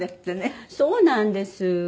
そうなんです。